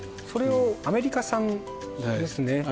それをアメリカ産ですね